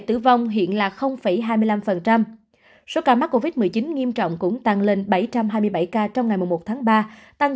tử vong hiện là hai mươi năm số ca mắc covid một mươi chín nghiêm trọng cũng tăng lên bảy trăm hai mươi bảy ca trong ngày một tháng ba tăng